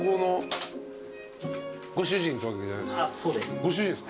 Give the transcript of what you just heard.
ご主人ですか？